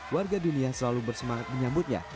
warga dunia selalu bersemangat menyambutnya